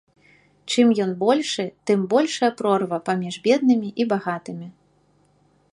Чым ён большы, тым большая прорва паміж беднымі і багатымі.